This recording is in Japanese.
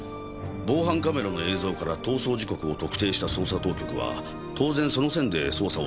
防犯カメラの映像から逃走時刻を特定した捜査当局は当然その線で捜査を進めますからね。